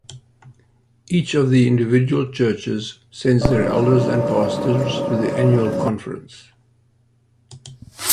Each of the individual churches sends their elders and pastors to the annual conference.